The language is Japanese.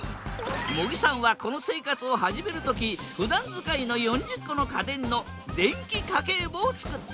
茂木さんはこの生活を始める時ふだん使いの４０個の家電の電気家計簿を作った。